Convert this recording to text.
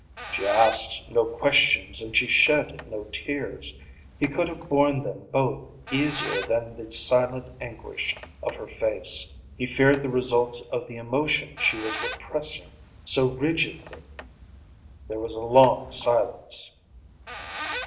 She asked no questions and she shed no tears. He could have borne them both easier than the silent anguish of her face. He feared the results of the emotion she was repressing so rigidly. There was a long silence.